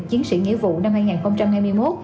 chiến sĩ nghĩa vụ năm hai nghìn hai mươi một